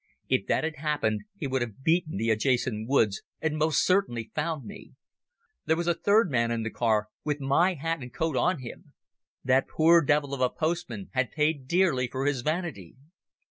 If that had happened he would have beaten the adjacent woods and most certainly found me. There was a third man in the car, with my hat and coat on him. That poor devil of a postman had paid dear for his vanity.